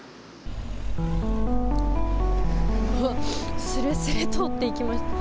うわ、すれすれ通っていきました。